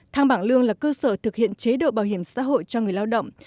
thang bảng lương là cơ sở thực hiện chế độ bảo hiểm xã hội cho người lao động